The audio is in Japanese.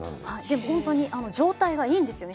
でも、本当に状態がいいんですね。